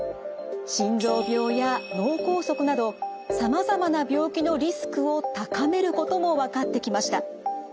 心臓病や脳梗塞などさまざまな病気のリスクを高めることも分かってきました。